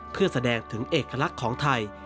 เพื่อแสดงถึงเอกลักษณ์ของไทย